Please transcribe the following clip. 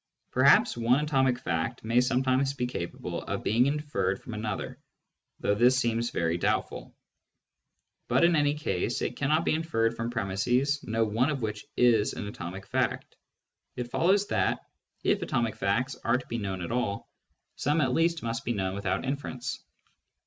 Perhaps one atomic fact ' may sometimes be capable of being inferred from another, though this seems very doubtful ; but in any case iti cannot be inferred from premisses no one of which is an atomic fact. It follows that, if atomic facts are to be known at all, some at least must be known without inference.